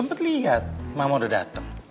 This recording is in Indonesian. mama udah dateng